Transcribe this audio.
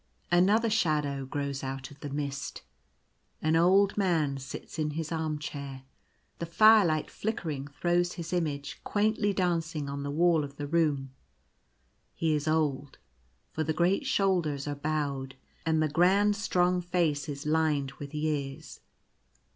Another shadow grows out of the mist. — An Old Man sits in his armchair. The firelight flicker ing throws his image, quaintly dancing, on the wall of the room. He is old, for the great shoulders are bowed, and the grand strong face is lined with years.